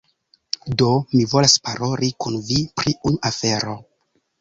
Do, mi volas paroli kun vi pri unu afero